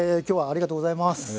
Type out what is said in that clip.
今日はありがとうございます。